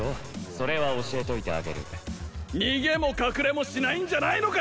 それは教えといてあげる逃げも隠れもしないんじゃないのか！